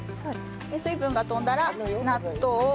水分が飛んだら納豆を。